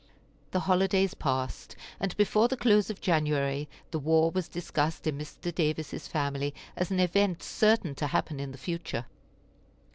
The holidays passed, and before the close of January the war was discussed in Mr. Davis's family as an event certain to happen in the future.